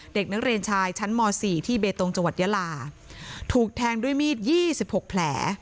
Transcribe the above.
เด็กนักเรียนชายชั้นม๔ที่เบตงจังหวัดยาลาถูกแทงด้วยมีด๒๖แผล